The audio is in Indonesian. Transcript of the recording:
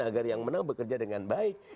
agar yang menang bekerja dengan baik